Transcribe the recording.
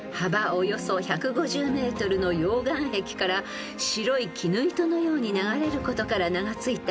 およそ１５０ｍの溶岩壁から白い絹糸のように流れることから名がついた］